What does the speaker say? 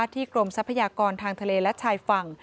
กรมทรัพยากรทางทะเลและชายฝั่ง